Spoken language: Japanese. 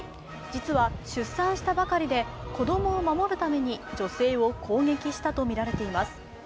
実は出産したばかりで子供を守るために女性を攻撃したとみられています。